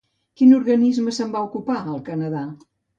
Quin organisme se'n va ocupar, al Canadà?